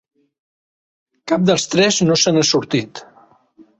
Cap dels tres no se n’ha sortit.